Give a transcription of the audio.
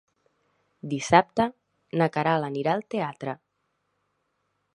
Dissabte na Queralt anirà al teatre.